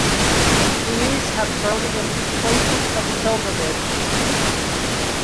These have grown into places of pilgrimage.